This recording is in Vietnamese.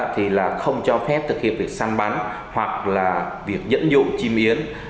thì là không cho phép thực hiện việc săn bắn hoặc là việc dẫn dụ chim yến